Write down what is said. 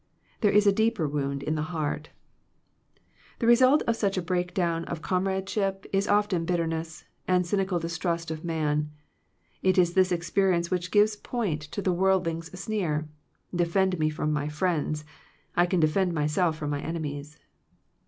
There is a deeper wound on the heart The result of such a breakdown of com radeship is often bitterness, and cynical distrust of man. It is this experience which gives point to the worldling's sneer, Defend me from my friends, I can defend myself from my enemies.